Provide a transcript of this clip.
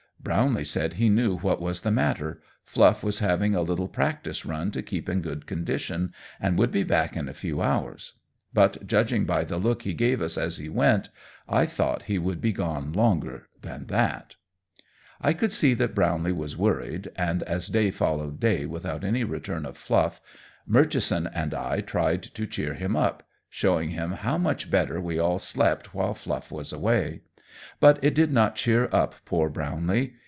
Brownlee said he knew what was the matter Fluff was having a little practice run to keep in good condition, and would be back in a few hours; but, judging by the look he gave us as he went, I thought he would be gone longer than that. I could see that Brownlee was worried, and as day followed day without any return of Fluff, Murchison and I tried to cheer him up, showing him how much better we all slept while Fluff was away; but it did not cheer up poor Brownlee.